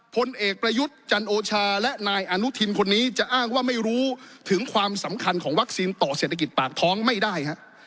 ผลเอกประยุทธ์จันโอชาและนายอนุทินคนนี้จะอ้างว่าไม่รู้ถึงความสำคัญของวัคซีนต่อเศรษฐกิจปากท้องไม่ได้ฮะ